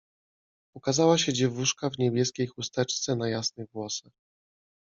Ukazała się dziewuszka w niebieskiej chusteczce na jasnych włosach.